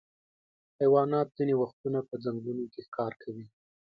حیوانات ځینې وختونه په ځنګلونو کې ښکار کوي.